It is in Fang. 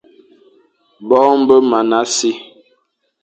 Boñe be mana si,